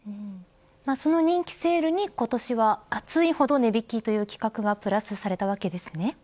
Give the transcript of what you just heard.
その人気セールに、今年は暑いほど値引きという企画がプラスされたわけですね。